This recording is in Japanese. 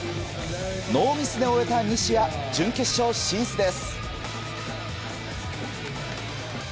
ノーミスで終えた西矢準決勝進出です。